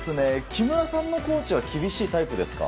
木村さんのコーチは厳しいタイプですか？